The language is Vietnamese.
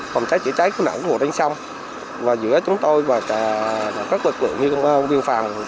phòng cháy chữa cháy nổ ngồi bên sông và giữa chúng tôi và các lực lượng như viên phòng